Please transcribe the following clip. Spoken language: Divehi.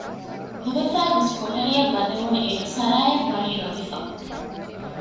ދުވެފައި ގޮސް ކޮޓަރިއަށް ވަދެވުނުއިރު ސަރާއަށްވަނީ ރޮވިފަ